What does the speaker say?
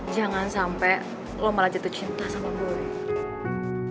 jangan sampe lo malah jatuh cinta sama boy